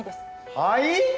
はい！？